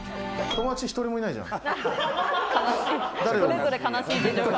友達１人もいないじゃん。